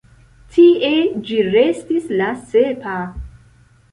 Tie ĝi restis la sepa.